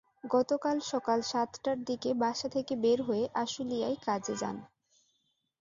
গতকাল সকাল সাতটার দিকে বাসা থেকে বের হয়ে আশুলিয়ায় কাজে যান।